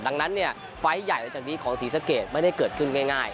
ดังนั้นเนี่ยไฟล์ใหญ่หลังจากนี้ของศรีสะเกดไม่ได้เกิดขึ้นง่าย